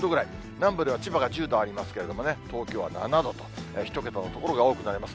南部では千葉が１０度ありますけどね、東京は７度と、１桁の所が多くなります。